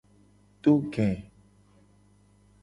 To ge.